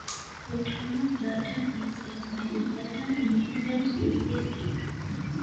The Town of Burton is served by the Burton Independent School District.